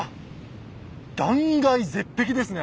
断崖絶壁ですね。